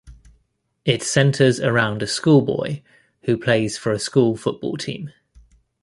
It centers around a schoolboy who plays for a school football team.